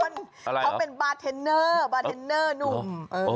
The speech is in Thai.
เขาเป็นบาร์เทนเนอร์บาร์เทนเนอร์หนุ่ม